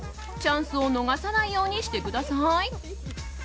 チャンスを逃がさないようにしてください。